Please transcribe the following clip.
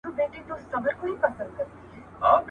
زما مڼه په کار ده، که څه له ولي څخه وي.